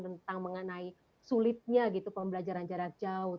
tentang mengenai sulitnya gitu pembelajaran jarak jauh